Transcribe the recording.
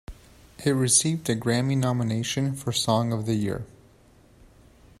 It received a Grammy nomination for Song of the Year.